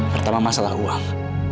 pertama masalah uang